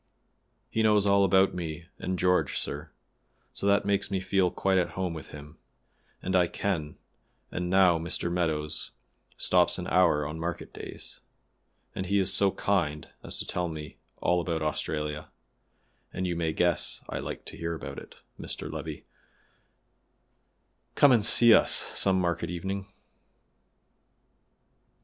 He knows all about me and George, sir; so that makes me feel quite at home with him, and I can and now Mr. Meadows stops an hour on market days, and he is so kind as to tell me all about Australia, and you may guess I like to hear about Mr. Levi, come and see us some market evening.